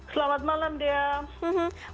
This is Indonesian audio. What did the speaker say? selamat malam diam